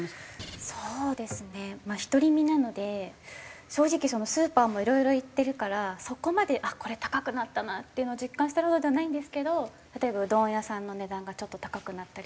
そうですねまあ独り身なので正直スーパーもいろいろ行ってるからそこまであっこれ高くなったなっていうのを実感してるほどではないんですけど例えばうどん屋さんの値段がちょっと高くなったりとか。